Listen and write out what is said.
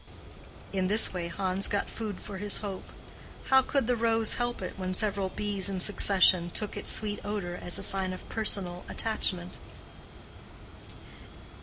In this way Hans got food for his hope. How could the rose help it when several bees in succession took its sweet odor as a sign of personal attachment?